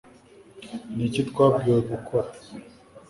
Ni iki twabwiwe gukora